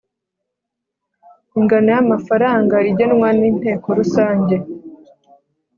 ingano y'ayo mafaranga igenwa n'inteko rusange